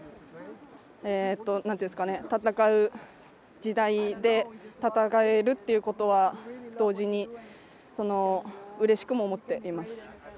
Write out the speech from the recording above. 戦う時代で戦えるっていうことは、同時にうれしくも思っています。